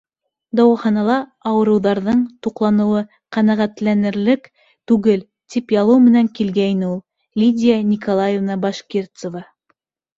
Дауаханала ауырыуҙарҙың туҡланыуы ҡәнәғәтләнерлек түгел, тип ялыу менән килгәйне ул. Лидия Николаевна Башкирцева.